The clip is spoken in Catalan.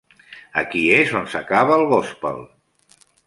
Aquí és on s'acaba el gospel.